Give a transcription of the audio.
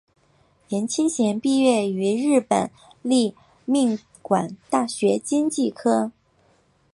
颜钦贤毕业于日本立命馆大学经济科。